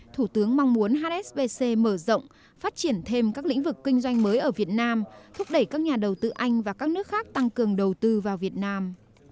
thủ tướng mong muốn hsbc mở rộng phát triển thêm các lĩnh vực kinh doanh mới ở việt nam thúc đẩy các nhà đầu tư anh và các nước khác tăng cường đầu tư vào việt nam